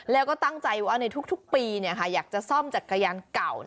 แล้วก็ตั้งใจว่าในทุกปีอยากจะซ่อมจักรยานเก่า